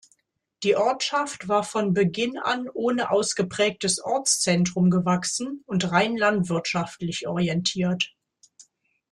Die Ortschaft war von Beginn an ohne ausgeprägtes Ortszentrum gewachsen und rein landwirtschaftlich orientiert.